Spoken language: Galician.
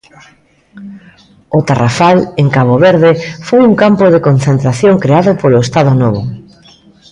O Tarrafal, en Cabo Verde, foi un campo de concentración creado polo Estado Novo